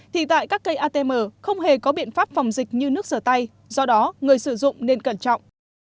thì tại các cây atm không hề có biện pháp phòng dịch như nước rửa tay do đó người sử dụng nên cẩn trọng